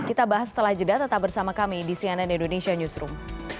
kita bahas setelah jeda tetap bersama kami di cnn indonesia newsroom